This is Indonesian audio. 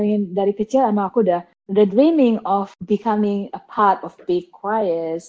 i mean dari kecil emang aku udah dreaming of becoming a part of big choirs